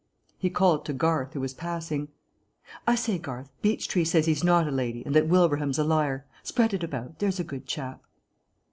He called to Garth, who was passing. "I say, Garth, Beechtree says he's not a lady and that Wilbraham's a liar. Spread it about, there's a good chap."